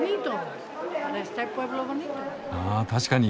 あ確かに！